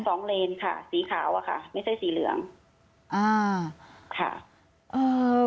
เลนค่ะสีขาวอ่ะค่ะไม่ใช่สีเหลืองอ่าค่ะเอ่อ